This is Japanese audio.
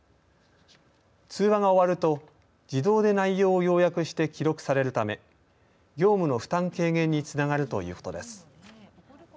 通話が終わると自動で内容を要約して記録されるため業務の負担軽減につながるということです。